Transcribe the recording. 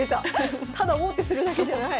ただ王手するだけじゃない。